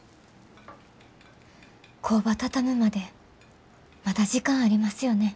工場畳むまでまだ時間ありますよね？